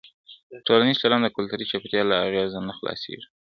ټولنیز چلند د کلتوري چاپېریال له اغېزه نه خلاصېږي.